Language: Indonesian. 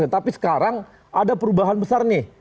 tetapi sekarang ada perubahan besar nih